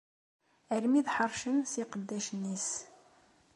Armi d-ḥercen s yiqeddacen-is.